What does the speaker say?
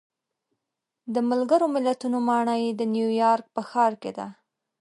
د ملګرو ملتونو ماڼۍ د نیویارک په ښار کې ده.